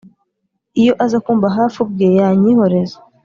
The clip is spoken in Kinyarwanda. iyo aza kumba hafi ubwe yanyihoreza